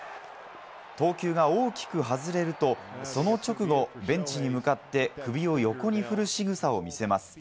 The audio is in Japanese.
投球が大きく外れると、その直後、ベンチに向かって首を横に振るしぐさを見せます。